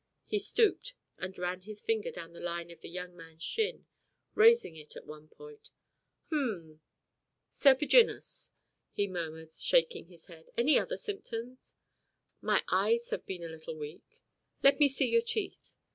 He stooped and ran his finger down the line of the young man's shin, raising it at one point. "Hum, serpiginous," he murmured, shaking his head. "Any other symptoms?" "My eyes have been a little weak." "Let me see your teeth."